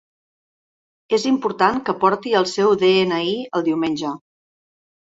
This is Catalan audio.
És important que porti el seu de-ena-i el diumenge.